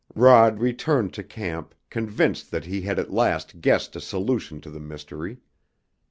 Rod returned to camp, convinced that he had at last guessed a solution to the mystery.